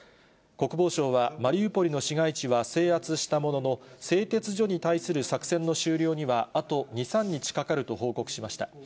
国防相は、マリウポリの市街地は制圧したものの、製鉄所に対する作戦の終了には、あと２、３日かかると報告しました。